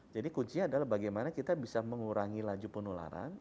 jadi kuncinya adalah bagaimana kita bisa mengurangi laju penularan